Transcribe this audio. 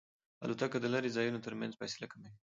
الوتکه د لرې ځایونو ترمنځ فاصله کموي.